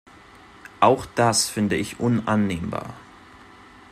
Auch das finde ich unannehmbar.